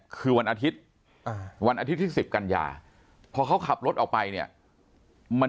คือวันอาทิตย์วันอาทิตย์ที่๑๐กันยาพอเขาขับรถออกไปเนี่ยมัน